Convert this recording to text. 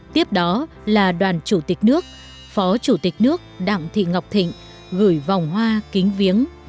tiếp đó là đoàn chủ tịch nước phó chủ tịch nước đặng thị ngọc thịnh gửi vòng hoa kính viếng